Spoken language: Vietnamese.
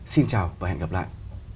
xin chào và hẹn gặp lại